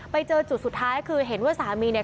ไปเจอจุดสุดท้ายคือเห็นว่าสามีเนี่ย